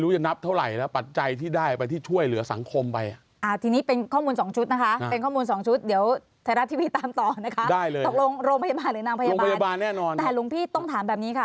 แต่มันก็ได้มาเจบาลแน่นอนแต่หลวงพี่ต้องถามแบบนี้ค่ะ